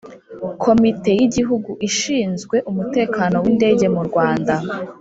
Komite y Igihugu Ishinzwe Umutekano w Indege mu Rwanda